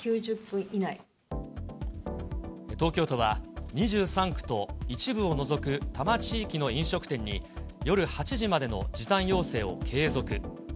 東京都は、２３区と一部を除く多摩地域の飲食店に、夜８時までの時短要請を継続。